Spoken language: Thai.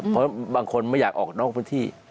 เพราะบางคนไม่อยากออกนอกพื้นที่